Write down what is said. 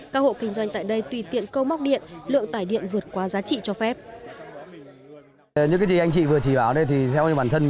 các hộ kinh doanh tại đây tùy tiện câu móc điện lượng tải điện vượt qua giá trị cho phép